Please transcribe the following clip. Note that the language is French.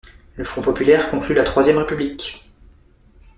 Le Front populaire conclut la Troisième République.